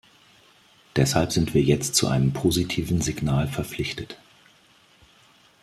Deshalb sind wir jetzt zu einem positiven Signal verpflichtet.